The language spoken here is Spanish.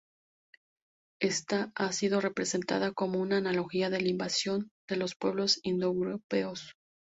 Esta ha sido presentada como una analogía de la invasión de los pueblos indoeuropeos.